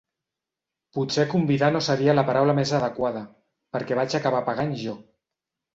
Potser convidar no seria la paraula més adequada, perquè vaig acabar pagant jo.